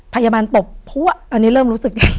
พยาบาลตบพัวอันนี้เริ่มรู้สึกดี